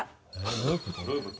えっどういうこと？